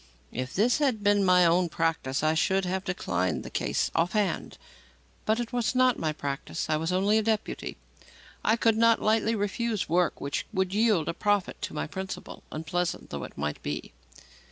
If this had been my own practice, I should have declined the case off hand. But it was not my practice. I was only a deputy. I could not lightly refuse work which would yield a profit to my principal, unpleasant though it might be.